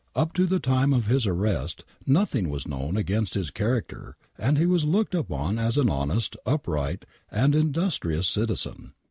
Up to the time of his arrest nothing was known against his character and he was looked upon as an honest, upright and indus \Tious citizen.